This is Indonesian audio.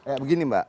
ya begini mbak